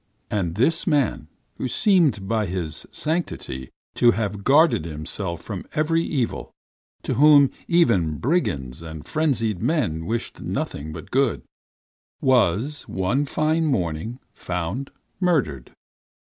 "And this man who seemed by his sanctity to have guarded himself from every evil, to whom even brigands and frenzied men wished nothing but good, was one fine morning found murdered.